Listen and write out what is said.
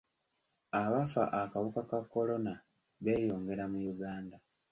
Abafa akawuka ka kolona beeyongera mu Uganda.